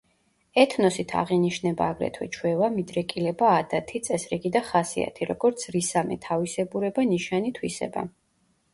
ეთნოსით აღინიშნება აგრეთვე ჩვევა, მიდრეკილება, ადათი, წესრიგი და ხასიათი, როგორც რისამე თავისებურება, ნიშანი, თვისება.